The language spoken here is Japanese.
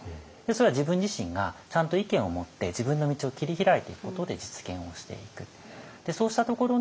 それは自分自身がちゃんと意見を持って自分の道を切り開いていくことで実現をしていく。